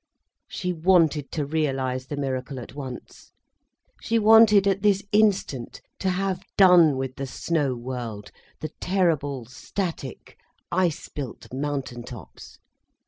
She wanted to realise the miracle at once. She wanted at this instant to have done with the snow world, the terrible, static ice built mountain tops.